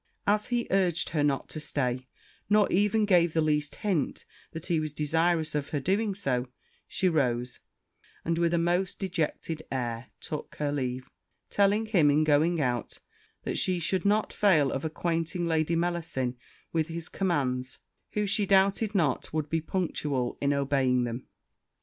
As he urged her not to stay, nor even gave the least hint that he was desirous of her doing so, she rose, and, with a most dejected air, took her leave; telling him, in going out, that she should not fail of acquainting Lady Mellasin with his commands; who, she doubted not, would be punctual in obeying them.